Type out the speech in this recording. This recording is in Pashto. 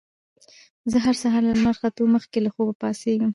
زه هر سهار له لمر ختو مخکې له خوبه پاڅېږم